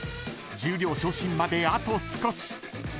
［十両昇進まであと少し］